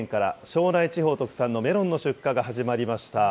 庄内地方特産のメロンの出荷が始まりました。